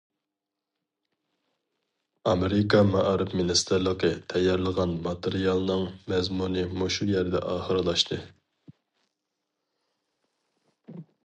ئامېرىكا مائارىپ مىنىستىرلىقى تەييارلىغان ماتېرىيالنىڭ مەزمۇنى مۇشۇ يەردە ئاخىرلاشتى.